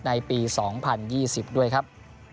ในปี๒๐๒๐ด้วยครับ